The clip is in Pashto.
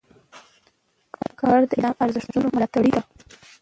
کاکړ د اسلامي ارزښتونو ملاتړي دي.